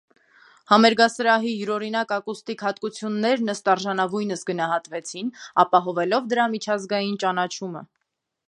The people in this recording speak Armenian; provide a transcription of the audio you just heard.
Համերգասրահի յուրօրինակ ակուստիկ հատկություններն ըստ արժանվույնս գնահատվեցին՝ ապահովելով դրա միջազգային ճանաչումը։